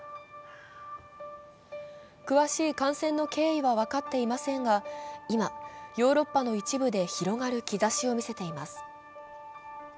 詳しい感染の経緯は分かっていませんが今、ヨーロッパの一部で広がる兆しを見せています。